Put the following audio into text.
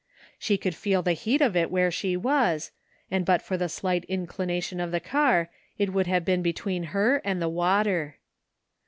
She could feel the heat of it where she was, and but for the slight inclination of the car it would have been between her and the water.